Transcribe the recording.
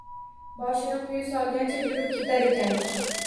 Boshini quyi solgancha yurib ketar ekan.